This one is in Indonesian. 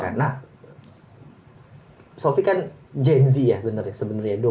karena sofi kan genzi ya sebenarnya dua puluh tiga tahun